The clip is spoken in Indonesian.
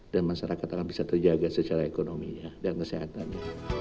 dan masyarakat akan bisa terjaga secara ekonominya dan kesehatannya